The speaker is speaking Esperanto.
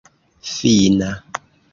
fina